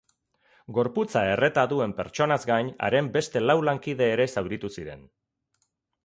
Gorputza erreta duen pertsonaz gain, haren beste lau lankide ere zauritu ziren.